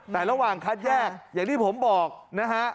แต่ระหว่างคัดแยกอย่างที่ผมบอกนะฮะ